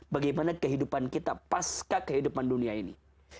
bagaimana kehidupan kita pasca kehidupan dunia ini